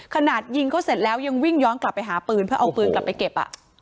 ขนาดยิงเขาเสร็จแล้วยังวิ่งย้อนกลับไปหาปืนเพื่อเอาปืนกลับไปเก็บ